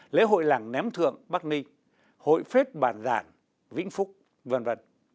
lễ hội làng ném thượng bắc ninh hội phết bàn giảng vĩnh phúc v v